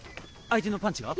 相手のパンチが？